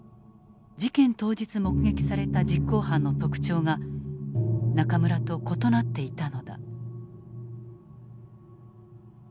事件当日目撃された実行犯の特徴が中村と異なっていたのだ。